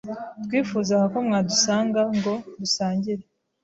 Twifuzaga ko mwadusanga ngo dusangire.